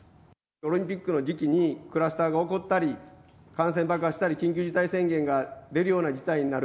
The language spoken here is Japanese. オリンピックの時期にクラスターが起こったり、感染爆発したり、緊急事態宣言が出るような事態になる。